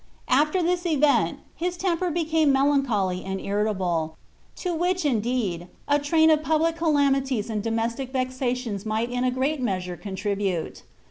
After this event his temper became melancholy and irritable, Co which, indeed, a train of public calamities and domestic vexations might in a great measure contribute.